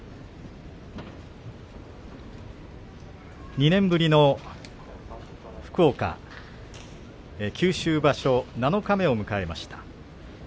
２年ぶりの福岡九州場所七日目を迎えました。